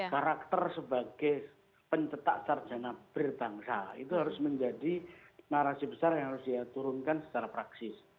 karakter sebagai pencetak sarjana berbangsa itu harus menjadi narasi besar yang harus dia turunkan secara praksis